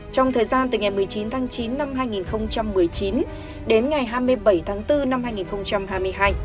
trong thời gian từ ngày một mươi chín tháng chín năm hai nghìn một mươi chín đến ngày hai mươi bảy tháng bốn năm hai nghìn hai mươi hai